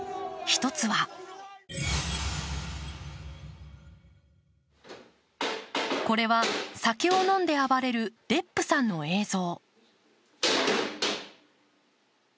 １つはこれは、酒を飲んで暴れるデップさんの映像。